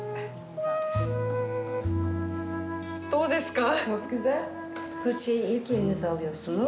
どうですか？